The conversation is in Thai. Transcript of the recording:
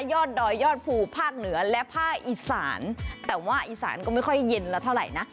ยอดดอยยอดภูภาคเหนือและภาคอีสานแต่ว่าอีสานก็ไม่ค่อยเย็นแล้วเท่าไหร่นะ